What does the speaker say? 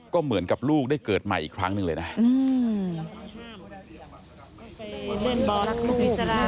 ก็เหมือนกับลูกได้เกิดใหม่อีกครั้งหนึ่งเลยนะ